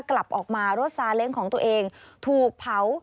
กลับออกมารถซาเล้งของตัวเองถูกเผา